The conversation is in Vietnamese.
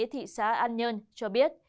thị xã an nhơn cho biết